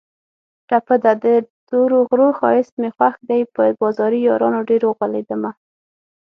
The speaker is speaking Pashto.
ټپه ده: د تورو غرو ښایست مې خوښ دی په بازاري یارانو ډېر اوغولېدمه